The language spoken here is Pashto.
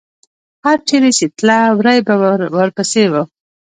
هر چېرې چې تله، وری ورپسې و.